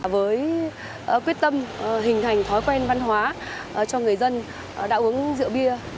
với quyết tâm hình thành thói quen văn hóa cho người dân đạo uống rượu bia